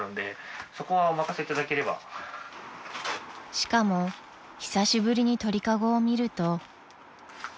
［しかも久しぶりに鳥かごを見ると］